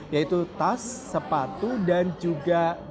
yaitu tas sepatu dan juga